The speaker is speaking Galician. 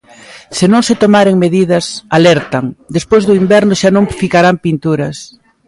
Se non se tomaren medidas, alertan, "despois do inverno xa non ficarán pinturas".